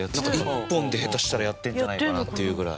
１本で下手したらやってんじゃないかなっていうぐらい。